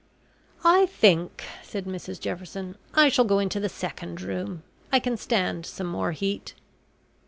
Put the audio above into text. "I think," said Mrs Jefferson, "I shall go into the second room. I can stand some more heat."